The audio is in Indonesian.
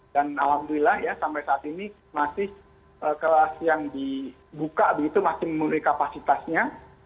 dan alhamdulillah ya sampai saat ini masih kelas yang dibuka begitu masih memiliki kapasitasnya